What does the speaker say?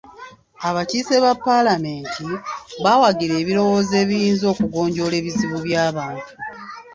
Abakiise ba palamenti baawagira ebirowoozo ebiyinza okugonjoola ebizibu by'abantu